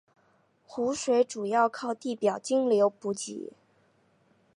湖水主要靠地表径流补给。